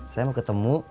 saya mau ketemu